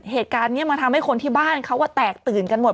เหตุการณ์นี้มันทำให้คนที่บ้านเขาแตกตื่นกันหมด